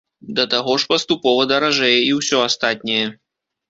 Да таго ж паступова даражэе і ўсё астатняе.